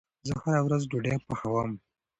زه هره ورځ ډوډې پخوم